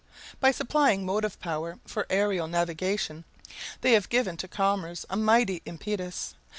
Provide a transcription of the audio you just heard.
By supplying motive power for aërial navigation, they have given to commerce a mighty impetus.